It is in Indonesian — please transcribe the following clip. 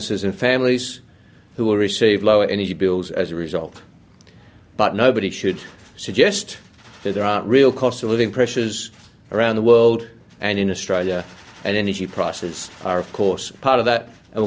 ketua eir claire savage memberikan lebih banyak wawasan tentang makna dibalik tawaran pasar default itu